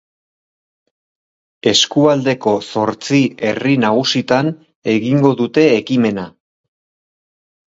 Eskualdeko zortzi herri nagusitan egingo dute ekimena.